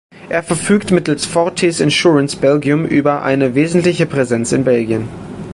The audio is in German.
Er verfügt mittels Fortis Insurance Belgium über eine wesentliche Präsenz in Belgien.